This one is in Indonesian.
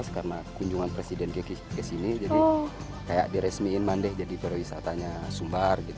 dua ribu empat belas karena kunjungan presiden ke sini jadi kayak diresmiin mande jadi perwisatanya sumbar gitu